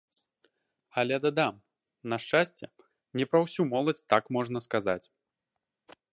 Але, дадам, на шчасце, не пра ўсю моладзь так можна сказаць.